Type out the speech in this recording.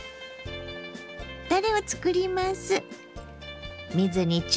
たれをつくります。